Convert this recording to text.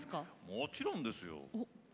もちろんですよ。